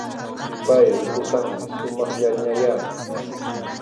Ipay, ripusaqmi sumaqllañayá